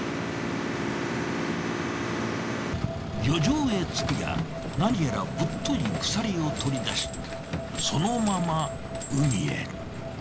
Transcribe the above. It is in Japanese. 漁場へ着くやなにやらぶっとい鎖を取り出しそのまま海へ。